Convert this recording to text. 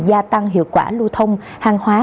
gia tăng hiệu quả lưu thông hàng hóa